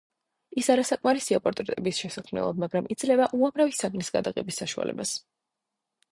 ის არასაკმარისია პორტრეტების შესაქმნელად, მაგრამ იძლევა უძრავი საგნების გადაღების საშუალებას.